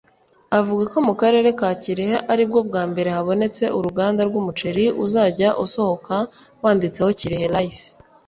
Avuga ko mu karere ka Kirehe aribwo bwa mbere habonetse uruganda rw’umuceri uzajya usohoka wanditseho Kirehe Rice